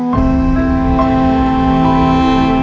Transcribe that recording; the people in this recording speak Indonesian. untuk mencium tangannya